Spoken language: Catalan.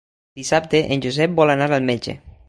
Dissabte en Josep vol anar al metge.